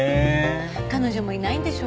彼女もいないんでしょ？